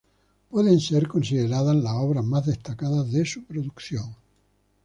Pueden ser consideradas las obras más destacadas de su producción.